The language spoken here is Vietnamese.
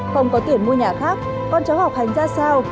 không có tiền mua nhà khác con cháu học hành ra sao